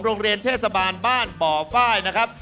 โรงเรียนเทศบาลบ้านปฟ้ายนะครับ